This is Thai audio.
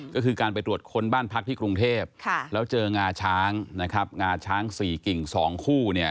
ก็คือการไปตรวจคนบ้านพักที่กรุงเทพฯแล้วเจองาช้างงาช้างสี่กิ่งสองคู่